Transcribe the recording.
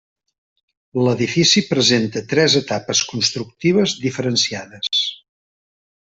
L'edifici presenta tres etapes constructives diferenciades.